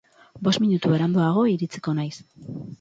Bost minutu beranduago iritsiko naiz.